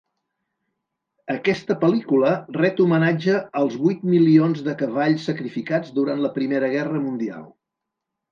Aquesta pel·lícula ret homenatge als vuit milions de cavalls sacrificats durant la Primera Guerra mundial.